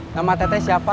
nama tete siapa